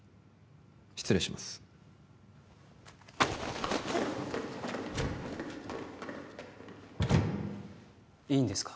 失礼しますいいんですか？